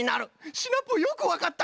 シナプーよくわかった！